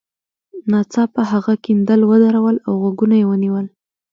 ناڅاپه هغه کیندل ودرول او غوږونه یې ونیول